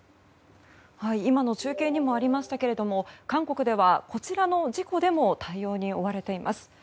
今の中継にもありましたけれども韓国ではこちらの事故でも対応に追われています。